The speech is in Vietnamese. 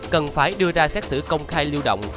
cần phải đưa ra xét xử công khai lưu động